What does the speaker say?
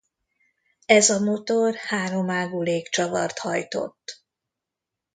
Ez a motor háromágú légcsavart hajtott.